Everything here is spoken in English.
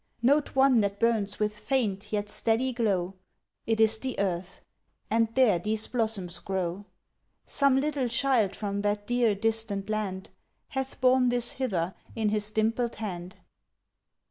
Note one that burns with faint yet steady glow; It is the Earth and there these blossoms grow. Some little child from that dear, distant land Hath borne this hither in his dimpled hand."